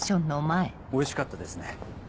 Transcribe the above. おいしかったですね。